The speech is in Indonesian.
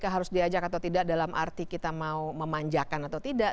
harus diajak atau tidak dalam arti kita mau memanjakan atau tidak